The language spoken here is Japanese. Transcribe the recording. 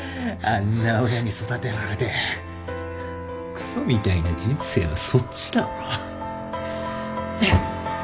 あんな親に育てられてくそみたいな人生はそっちだろ。